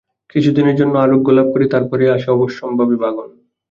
কিছুদিনের জন্য আরোগ্যলাভ করি, তারপরেই আসে অবশ্যম্ভাবী ভাঙন।